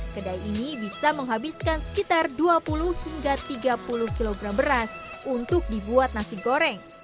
kedai ini bisa menghabiskan sekitar dua puluh hingga tiga puluh kg beras untuk dibuat nasi goreng